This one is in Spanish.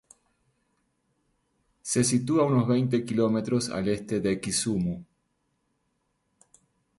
Se sitúa unos veinte kilómetros al este de Kisumu.